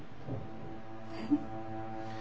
えっ？